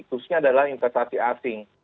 khususnya adalah investasi asli